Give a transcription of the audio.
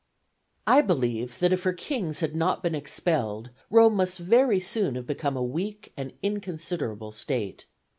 _ I believe that if her kings had not been expelled, Rome must very soon have become a weak and inconsiderable State.